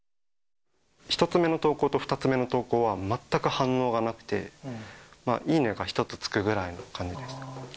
１つ目の投稿と２つ目の投稿は全く反応がなくて、いいねが１つつくくらいの感じでした。